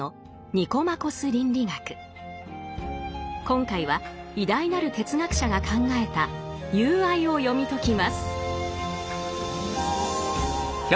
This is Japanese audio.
今回は偉大なる哲学者が考えた「友愛」を読み解きます。